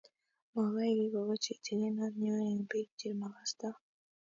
Makoi kekochi tigenot nyo eng biik che makastoi